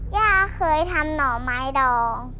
ย่าเคยทำหน่อไม้ดอง